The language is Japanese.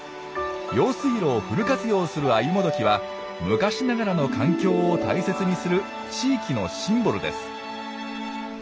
用水路をフル活用するアユモドキは昔ながらの環境を大切にする地域のシンボルです。